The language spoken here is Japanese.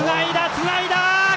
つないだー！